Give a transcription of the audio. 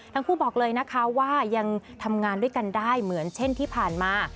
ทั้งคู่บอกเลยนะคะว่ายังทำงานด้วยกันได้เหมือนเช่นที่ผ่านมา